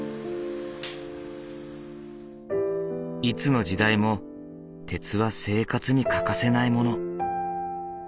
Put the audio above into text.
いつの時代も鉄は生活に欠かせないもの。